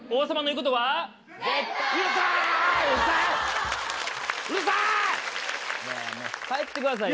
うるさい！